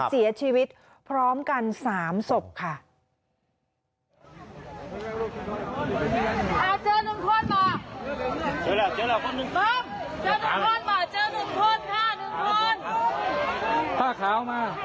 เสียชีวิตพร้อมกัน๓ศพค่ะ